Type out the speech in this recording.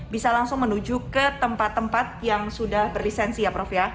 bisa langsung menuju ke tempat tempat yang sudah berlisensi ya prof ya